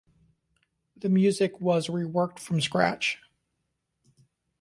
The music was reworked from scratch.